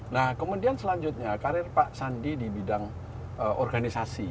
nah kemudian selanjutnya karir pak sandi di bidang organisasi